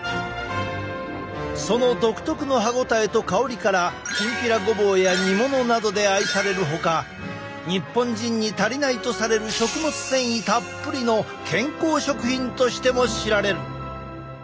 その独特の歯ごたえと香りからきんぴらごぼうや煮物などで愛されるほか日本人に足りないとされる食物繊維たっぷりの健康食品としても知られる。